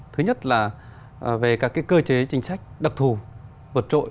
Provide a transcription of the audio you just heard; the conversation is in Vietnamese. thứ nhất là về các cơ chế chính sách đặc thù vật trội